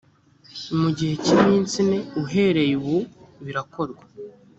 mu gihe cy iminsi ine uhereye ubu birakorwa